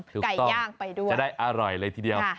ไก่ย่างไปด้วยถูกต้องจะได้อร่อยเลยทีเดียวค่ะ